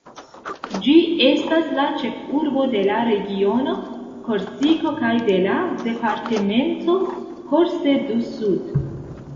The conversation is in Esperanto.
Ĝi estas la ĉefurbo de la regiono Korsiko kaj de la departemento Corse-du-Sud.